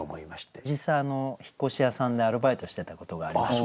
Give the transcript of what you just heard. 実際引越し屋さんでアルバイトしてたことがありまして。